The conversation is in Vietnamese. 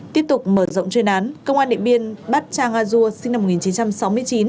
tiếp tục mở rộng chuyên án công an điện biên bắt chang a dua sinh năm một nghìn chín trăm sáu mươi chín